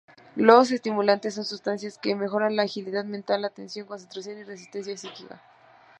Los estimulantes son sustancias que mejoran la agilidad mental, atención, concentración, y resistencia psíquica.